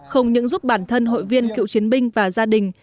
không những giúp bản thân hội viên cựu chiến binh và gia đình